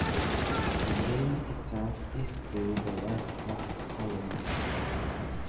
Sabine itself is to the west of Collins.